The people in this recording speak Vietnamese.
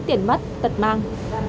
tiền mất tật mang